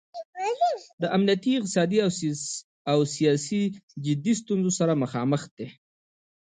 د امنیتي، اقتصادي او سیاسي جدي ستونځو سره مخامخ دی.